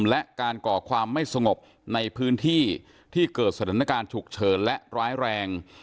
และการก่อความไม่สงบในพื้นที่ที่เกิดสถานการณ์ฉุกเฉินและร้ายแรง